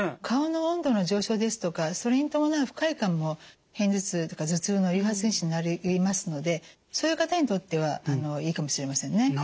顔の温度の上昇ですとかそれに伴う不快感も片頭痛とか頭痛の誘発因子になりえますのでそういう方にとってはいいかもしれませんね。